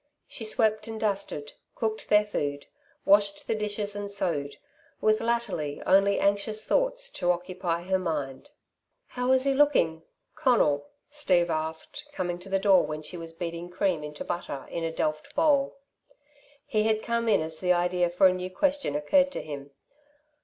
She swept and dusted, cooked their food, washed the dishes and sewed, with latterly only anxious thoughts to occupy her mind. "How is he lookin' Conal?" Steve asked, coming to the door when she was beating cream into butter in a delft bowl. He had come in as the idea for a new question occurred to him.